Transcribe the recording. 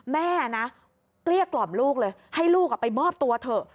แม่นะเกลี้ยกล่อมลูกเลยให้ลูกไปมอบตัวเถอะ